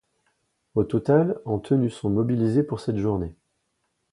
Au total, en tenue sont mobilisés pour cette journée.